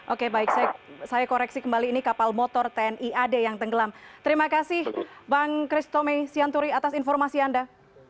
oke baik saya koreksi kembali ini kapal motor tni ad yang tenggelam terima kasih bang christomey sianturi atas informasi anda